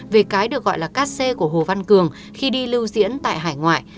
về cái được gọi là cắt xe của hồ văn cường khi đi lưu diễn tại hải ngoại